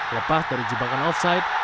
lepas dari jebakan offside